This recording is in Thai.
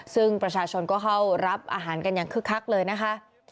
ซึ่งประชาชนก็เข้ารับอาหารกันอย่างคึกคักเลยนะคะ